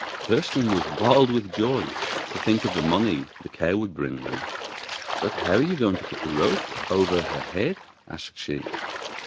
Kirsten was wild with joy to think of the money the cow would bring them. 'But how are you going to put the rope over her head?' asked she.